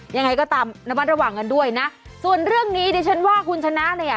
ยังไงก็ตามระมัดระวังกันด้วยนะส่วนเรื่องนี้ดิฉันว่าคุณชนะเนี่ย